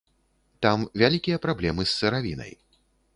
Там вялікія праблемы з сыравінай.